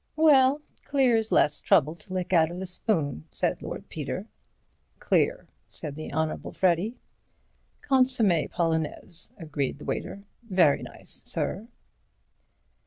"Well, clear's less trouble to lick out of the spoon," said Lord Peter. "Clear," said the Honourable Freddy. "Consommé Polonais," agreed the waiter. "Very nice, sir."